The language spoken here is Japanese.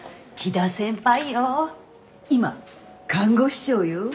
今看護師長よ。